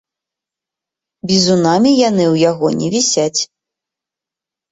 Бізунамі яны ў яго не вісяць.